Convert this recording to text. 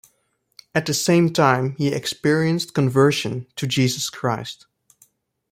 At the same time he experienced conversion to Jesus Christ.